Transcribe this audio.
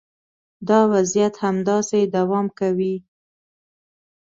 دا وضعیت همداسې دوام کوي